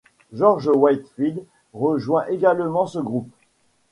George Whitefield rejoint également ce groupe.